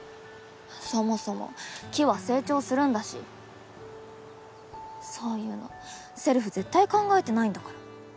そもそも木は成長するんだしそういうのせるふ絶対考えてないんだから。